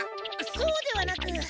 そうではなく！